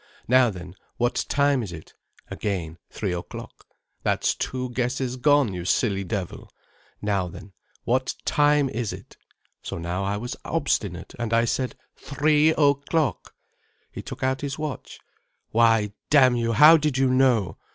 Now then, what time is it? 'Again, three o'clock. 'That's two guesses gone, you silly devil. Now then, what time is it? 'So now I was obstinate, and I said Three o'clock. He took out his watch. 'Why damn you, how did you know?